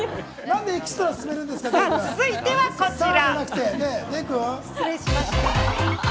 さあ、続いてはこちら。